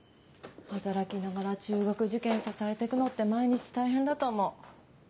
働きながら中学受験支えてくのって毎日大変だと思う。